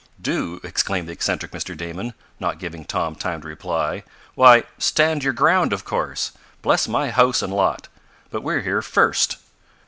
"Do!" exclaimed the eccentric Mr. Damon, not giving Tom time to reply. "Why, stand your ground, of course! Bless my house and lot! but we're here first!